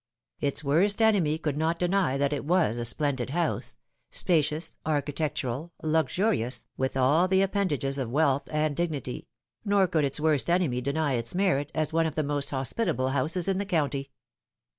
Its worst enemy could There is always the Skeleton. 81 not deny that it was a splendid house spacious, architectural, luxurious, with all the appendages of wealth and dignity nor could its worst enemy deny its merit as one of the most hospit able houses in the county.